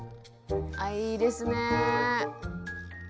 あいいですね。